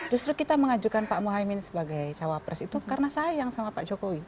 justru kita mengajukan pak muhaymin sebagai cawapres itu karena sayang sama pak jokowi